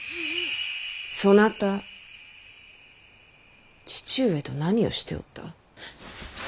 そなた父上と何をしておった。